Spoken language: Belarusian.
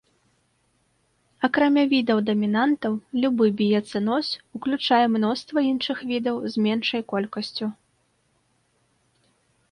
Акрамя відаў-дамінантаў, любы біяцэноз уключае мноства іншых відаў з меншай колькасцю.